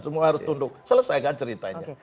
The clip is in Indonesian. semua harus tunduk selesaikan ceritanya